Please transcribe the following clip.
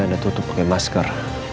ada tutup pake masker